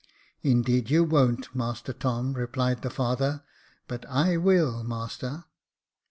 " Indeed you won't, mister Tom," replied the father. " But I will, master."